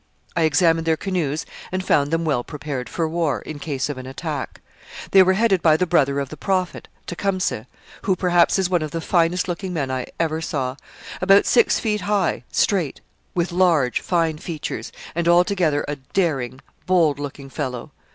I examined their canoes and found them well prepared for war, in case of an attack. They were headed by the brother of the Prophet (Tecumseh), who, perhaps, is one of the finest looking men I ever saw about six feet high, straight, with large, fine features, and altogether a daring, bold looking fellow.